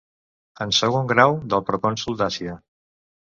En segon grau del Procònsol d'Àsia.